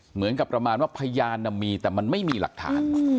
เหมือนกับประมาณว่าพยานมีแต่มันไม่มีหลักฐาน